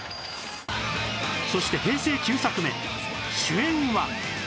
そして平成９作目主演は